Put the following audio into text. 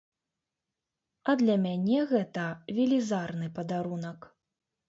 А для мяне гэта велізарны падарунак.